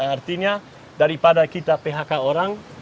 artinya daripada kita phk orang